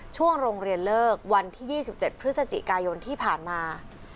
ช่วงโรงเรียนเลิกวันที่๒๗พฤศจิกายนที่ผ่านมา